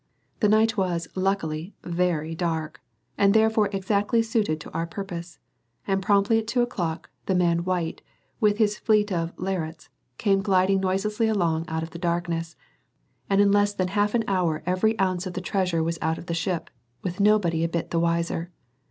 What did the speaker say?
The night was, luckily, very dark, and therefore exactly suited to our purpose; and promptly at two o'clock, the man White, with his fleet of "lerrets," came gliding noiselessly alongside out of the darkness, and in less than half an hour every ounce of the treasure was out of the ship, with nobody a bit the wiser.